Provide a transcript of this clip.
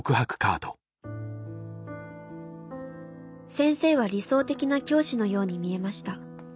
「先生は理想的な教師のように見えました。